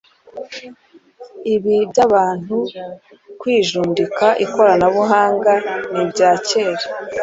Ibi by’abantu kwijundika ikoranabuhanga ni ibya kera